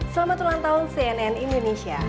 selamat ulang tahun cnn indonesia